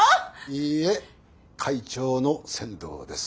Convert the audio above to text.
いいえ会長の千堂です。